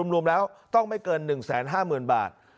รวมแล้วต้องไม่เกิน๑๕๐๐๐บาท